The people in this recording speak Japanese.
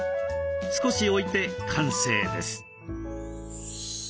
少し置いて完成です。